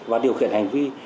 và điều khiển hành vi